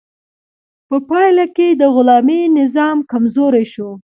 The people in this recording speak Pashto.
په پایله کې د غلامي نظام کمزوری شو.